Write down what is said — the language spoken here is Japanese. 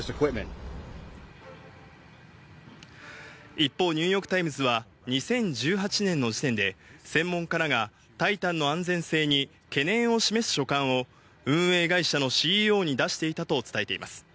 一方、ニューヨーク・タイムズは、２０１８年の時点で専門家らがタイタンの安全性に懸念を示す書簡を運営会社のＣＥＯに出していたと伝えています。